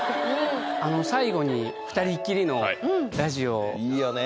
最後に２人っきりのラジオいいよね！